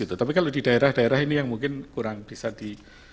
tapi kalau di daerah daerah ini yang mungkin kurang bisa di